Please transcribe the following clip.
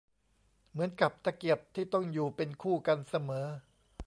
เหมือนกับตะเกียบที่ต้องอยู่เป็นคู่กันเสมอ